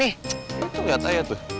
itu lihat aja tuh